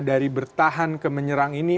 dari bertahan ke menyerang ini